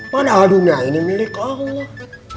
padahal dunia ini milik allah